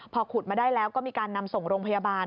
พอขุดมาได้แล้วก็มีการนำส่งโรงพยาบาล